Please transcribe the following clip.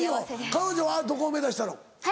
彼女はどこを目指したの？へ？